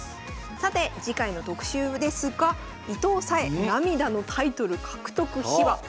さて次回の特集ですが「伊藤沙恵涙のタイトル獲得秘話」。